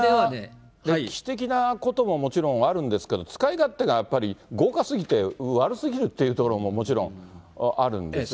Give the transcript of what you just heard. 歴史的なことももちろんあるんですけれども、使い勝手がやっぱり、豪華すぎて、悪すぎるっていうところももちろんあるんですよね。